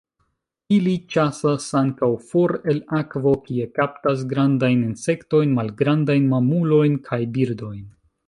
Ili ĉasas ankaŭ for el akvo, kie kaptas grandajn insektojn, malgrandajn mamulojn, kaj birdojn.